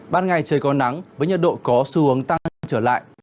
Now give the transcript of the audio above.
ban ngày trời còn nắng với nhiệt độ có xu hướng tăng trở lại